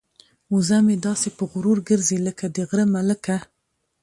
وزه مې داسې په غرور ګرځي لکه د غره ملکه.